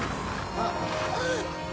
あっ。